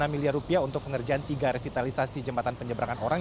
lima miliar rupiah untuk pengerjaan tiga revitalisasi jembatan penyeberangan orang